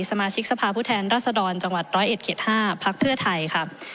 สมาชิกสภาพผู้แทนราษฎรจังหวัดร้อยเอ็ดเขียดห้าพรรคเทือไทยค่ะ